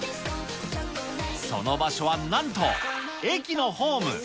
その場所はなんと、駅のホーム。